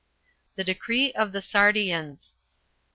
The decree of the Sardians.